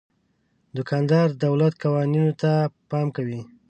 دوکاندار د دولت قوانینو ته پام کوي.